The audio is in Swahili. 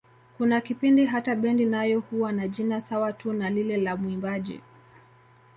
Kuna kipindi hata bendi nayo huwa na jina sawa tu na lile la mwimbaji.